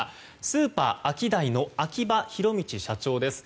スーパーアキダイの秋葉弘道社長です。